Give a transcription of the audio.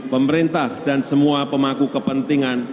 pemerintah dan semua pemaku kepentingan